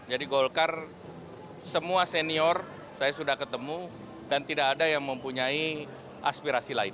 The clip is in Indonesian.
jadi golkar semua senior saya sudah ketemu dan tidak ada yang mempunyai aspirasi lain